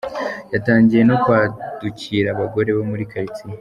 Yatangiye no kwadukira abagore bo muri karitsiye .